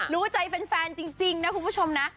รู้ใจเป็นแฟนจริงนะคุณผู้ชมนะ